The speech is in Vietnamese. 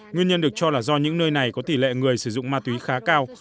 nguyên nhân được cho là do những nơi này có tỷ lệ người sử dụng ma túy khá cao